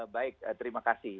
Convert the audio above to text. baik terima kasih